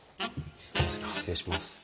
失礼します。